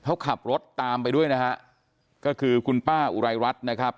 เขาขับรถตามไปด้วยนะฮะก็คือคุณป้าอุไรรัฐนะครับ